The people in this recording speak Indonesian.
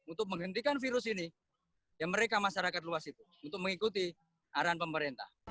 untuk menghentikan virus ini ya mereka masyarakat luas itu untuk mengikuti arahan pemerintah